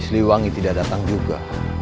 seliwangi tidak datang juga